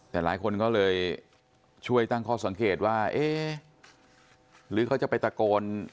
แต่หลายคนก็เลยช่วยตั้งข้อสังเกตว่าเอ๊ะหรือเขาจะไปตะโกน